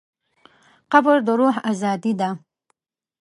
قبر د روح ازادي ده.